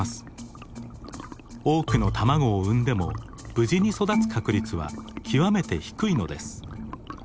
多くの卵を産んでも無事に育つ確率は極めて低いのです。